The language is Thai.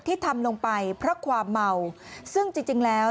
ที่ทำลงไปเพราะความเมาซึ่งจริงแล้ว